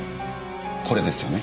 これですよね？